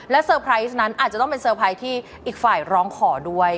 เซอร์ไพรส์นั้นอาจจะต้องเป็นเซอร์ไพรส์ที่อีกฝ่ายร้องขอด้วย